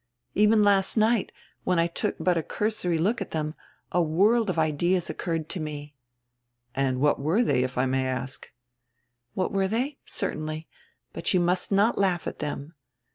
Even last night, when I took but a cursory look at them, a world of ideas occurred to me." "And what were they, if I may ask?" "What they were? Certainly. But you must not laugh at them.